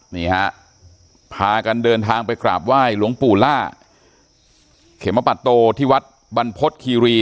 นี่ฮะพากันเดินทางไปกราบไหว้หลวงปู่ล่าเขมปัตโตที่วัดบรรพฤษคีรี